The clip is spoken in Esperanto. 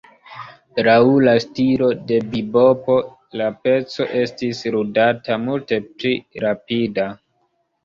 Laŭ la stilo de bibopo la peco estis ludata multe pli rapida.